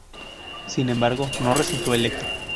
Sin embargo, no resultó electo.